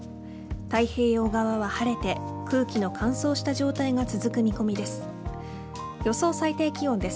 太平洋側は晴れて空気の乾燥した状態が続く見込みです。